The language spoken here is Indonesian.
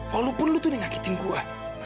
walaupun lu tuh yang ngakitin gue